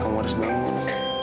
kamu harus bangun